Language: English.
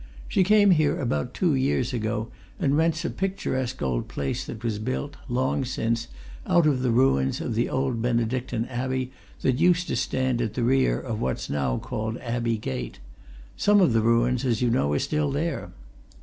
She came here about two years ago and rents a picturesque old place that was built, long since, out of the ruins of the old Benedictine Abbey that used to stand at the rear of what's now called Abbey Gate some of the ruins, as you know, are still there.